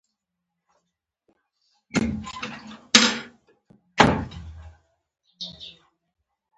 د زایمان د اسانتیا لپاره خرما وخورئ